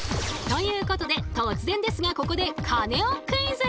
ということで突然ですがここでカネオクイズ！